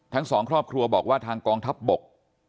ทั้งสองครอบครัวบอกว่าทางกองทัพบก